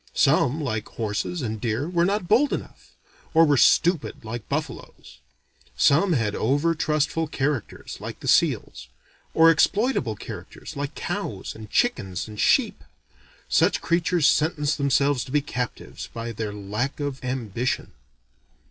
Some, like horses and deer, were not bold enough; or were stupid, like buffaloes. Some had over trustful characters, like the seals; or exploitable characters, like cows, and chickens, and sheep. Such creatures sentence themselves to be captives, by their lack of ambition.